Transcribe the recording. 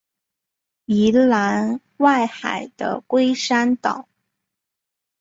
宜兰外海的龟山岛